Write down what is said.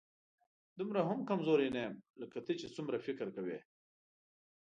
دومره هم کمزوری نه یم، لکه ته چې څومره فکر کوې